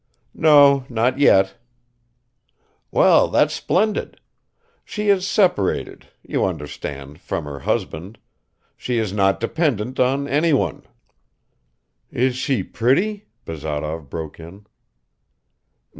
"No, not yet." "Well, that's splendid. She has separated, you understand, from her husband; she is not dependent on anyone." "Is she pretty?" Bazarov broke in.